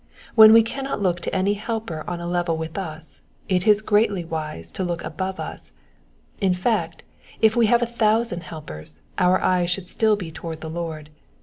When we cannot look to any helper on a level with us, it is greatly wise to look above us ; in fact, if we have a thousand helpers, our eyes should still be toward the Lord.